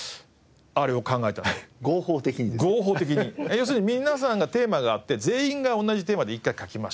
要するに皆さんがテーマがあって全員が同じテーマで１回書きました。